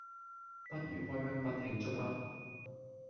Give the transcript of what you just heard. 不如開香檳慶祝吖？